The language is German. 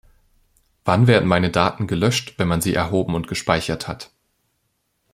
Wann werden meine Daten gelöscht, wenn man sie erhoben und gespeichert hat?